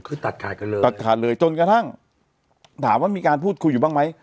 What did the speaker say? คือตัดขาดกันเลยตัดขาดเลยจนกระทั่งถามว่ามีการพูดคุยอยู่บ้างไหม